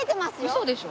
嘘でしょ？